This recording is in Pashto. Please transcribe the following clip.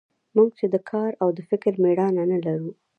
موږ چې د کار او د فکر مېړانه نه لرو.